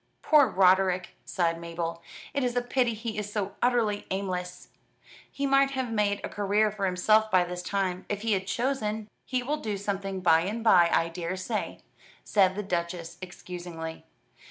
"Poor Roderick," sighed Mabel. "It is a pity he is so utterly aimless. He might have made a career for himself by this time, if he had chosen." "He will do something by and by, I daresay," said the Duchess, excusingly.